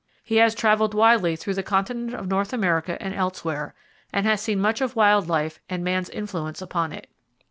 He has traveled widely throughout the continent of North America and elsewhere, and has seen much of wild life and man's influence upon it.